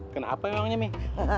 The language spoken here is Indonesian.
kenapa emangnya mbak